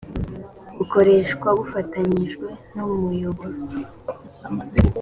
bukoreshwa bufatanyijwe n’umuyoboro